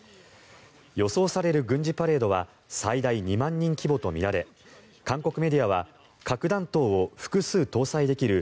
予想される軍事パレードは最大２万人規模とみられ韓国メディアは核弾頭を複数搭載できる